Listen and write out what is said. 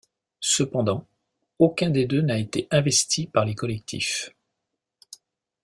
Cependant, aucun des deux n'a été investi par les collectifs.